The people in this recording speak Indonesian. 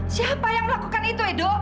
siapa yang melakukan itu edo